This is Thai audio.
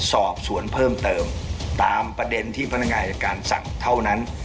สอบสวนเพิ่มเติมตามประเด็นที่พนักงานอายการสั่งเท่านั้น